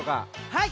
はい。